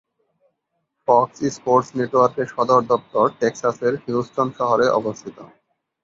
Fox Sports নেটওয়ার্কের সদর দফতর টেক্সাসের হিউস্টন শহরে অবস্থিত।